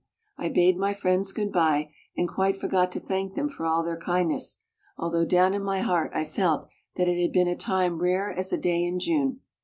I bade my friends good by and quite forgot to thank them for all their kindness, although down in my heart I felt that it had been a time rare as a day in June.